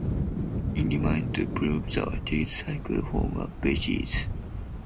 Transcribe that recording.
It remains to prove that these cycles form a basis.